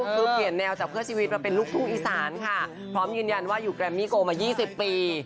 คือเปลี่ยนแนวจากเพื่อชีวิตมาเป็นลูกทุ่งอีสานค่ะพร้อมยืนยันว่าอยู่แกรมมี่โกมา๒๐ปี